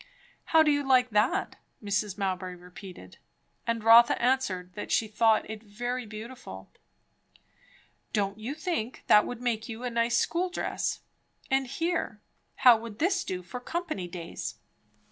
"How do you like that?" Mrs. Mowbray repeated; and Rotha answered that she thought it very beautiful. "Don't you think that would make you a nice school dress? and here how would this do for company days?"